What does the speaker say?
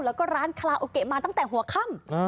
แล้วก็ร้านคาราโอเกะมาตั้งแต่หัวค่ำ